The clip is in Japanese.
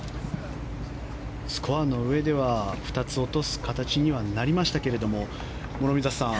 スコアの上では２つ落とす形にはなりましたけど、諸見里さん